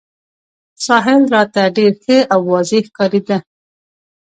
ساحل راته ډېر ښه او واضح ښکارېده.